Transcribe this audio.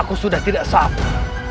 aku sudah tidak sabar